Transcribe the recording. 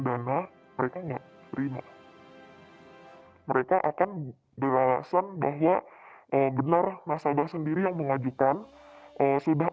dana mereka enggak terima mereka akan beralasan bahwa benar nasabah sendiri yang mengajukan sudah